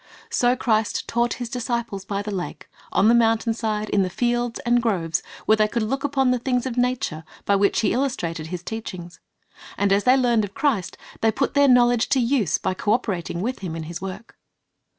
So Christ taught His disciples by the lake, on the mountain side, in the fields and groves, where they could look upon the things of nature by which He illustrated His teachings. And as they learned of Christ, they put their knowledge to use by co operating with Him in His work.